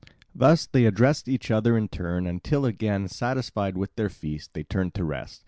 Thus they addressed each other in turn, until again, satisfied with their feast, they turned to rest.